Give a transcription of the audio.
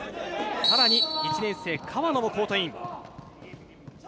さらに１年生・川野もコートイン。